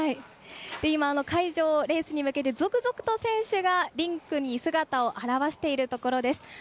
今、会場、レースに向けて続々と選手がリンクに姿を現しているところです。